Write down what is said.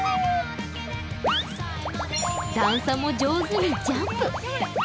段差も上手にジャンプ。